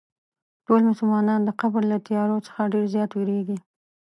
ټول مسلمانان د قبر له تیارو څخه ډېر زیات وېرېږي.